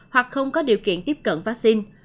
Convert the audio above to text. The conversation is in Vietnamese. hoặc không có điều kiện tiếp cận vaccine